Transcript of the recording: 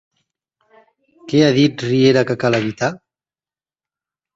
Què ha dit Riera que cal evitar?